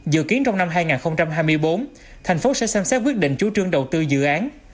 dự kiến trong năm hai nghìn hai mươi bốn thành phố sẽ xem xét quyết định chú trương đầu tư dự án